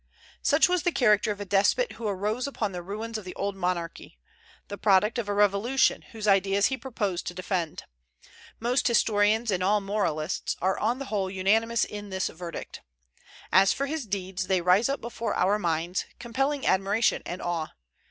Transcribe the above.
Such was the character of a despot who arose upon the ruins of the old monarchy, the product of a revolution, whose ideas he proposed to defend. Most historians, and all moralists, are on the whole unanimous in this verdict. As for his deeds, they rise up before our minds, compelling admiration and awe.